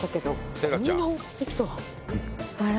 あれ？